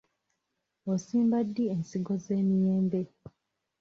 Osimba ddi ensigo z'emiyembe?